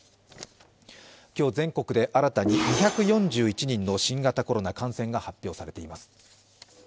今日全国で新たに２４１人の新型コロナ感染が発表されています。